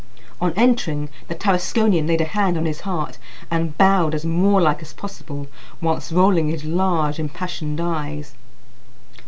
On entering, the Tarasconian laid a hand on his heart and bowed as Moorlike as possible, whilst rolling his large impassioned eyes.